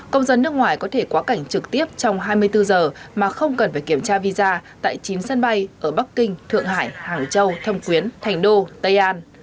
công dân nước ngoài có thể quá cảnh trực tiếp trong hai mươi bốn giờ mà không cần phải kiểm tra visa tại chín sân bay ở bắc kinh thượng hải hàng châu thông quyến thành đô tây an